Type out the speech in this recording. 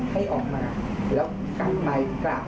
ให้ออกมาแล้วกลับไปกล่าวไหว้กับท่านขนมนะ